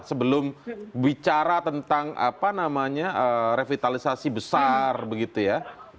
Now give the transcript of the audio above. sebelum bicara tentang revitalisasi besar begitu ya